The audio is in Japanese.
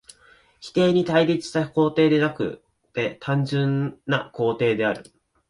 否定に対立した肯定でなくて単純な肯定である。